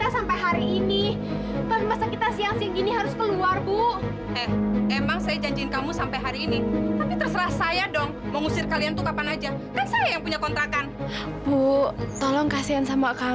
sampai jumpa di video selanjutnya